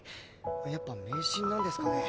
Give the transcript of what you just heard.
やっぱ迷信なんですかね？